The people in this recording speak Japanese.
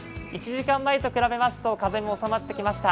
１時間前と比べますと風も収まってきました。